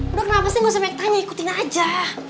udah kenapa sih gak usah banyak tanya ikutin aja